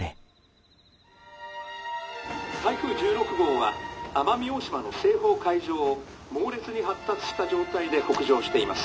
「台風１６号は奄美大島の西方海上を猛烈に発達した状態で北上しています。